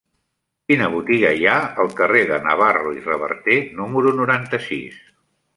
Quina botiga hi ha al carrer de Navarro i Reverter número noranta-sis?